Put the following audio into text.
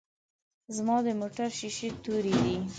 ځما دموټر شیشی توری دی.